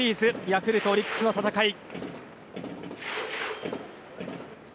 ヤクルト、オリックスの戦い。